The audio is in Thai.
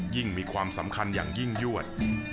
มีความสำคัญอย่างยิ่งยวด